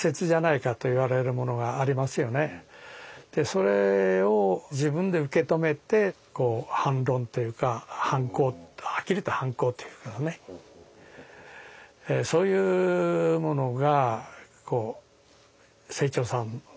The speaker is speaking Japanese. それを自分で受け止めて反論というかはっきりと反抗というけどねそういうものが清張さん